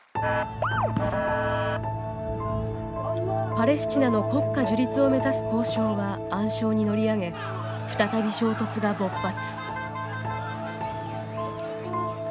パレスチナの国家樹立を目指す交渉は暗礁に乗り上げ、再び衝突が勃発。